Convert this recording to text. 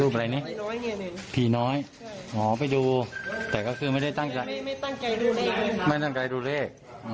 รูปอะไรนี่ผีน้อยอ๋อไปดูแต่ก็คือไม่ได้ตั้งใจไม่ตั้งใจดูเลข